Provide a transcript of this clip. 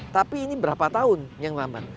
tapi ini berapa tahun yang lambat